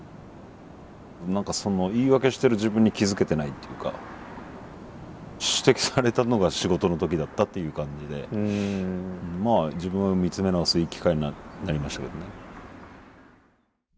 何かその言い訳してる自分に気付けてないっていうか指摘されたのが仕事の時だったっていう感じでまあ自分を見つめ直すいい機会になりましたけどね。